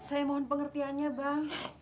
saya mohon pengertiannya bang